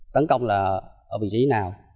tấn công là ở vị trí nào